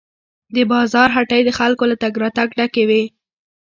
د بازار هټۍ د خلکو له تګ راتګ ډکې وې.